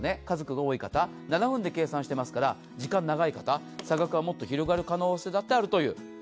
家族が多い方、７分で計算していますから、時間長い方、差額はもっと広がる可能性だってあるという。